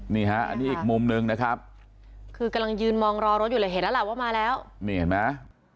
นี่ฮะอันนี้อีกมุมหนึ่งนะครับคือกำลังยืนมองรอรถอยู่เลยเห็นแล้วล่ะว่ามาแล้วนี่เห็นไหม